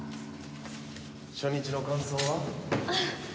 初日の感想は？